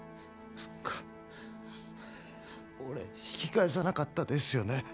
そっか俺引き返さなかったですよね